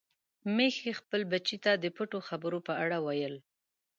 ميښې خپل بچي ته د پټو خبرو په اړه ویل.